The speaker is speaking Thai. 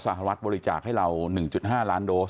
สหรัฐบริจาคให้เรา๑๕ล้านโดส